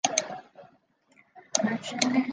你本来就是他的猎物